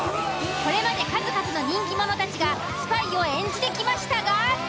これまで数々の人気者たちがスパイを演じてきましたが。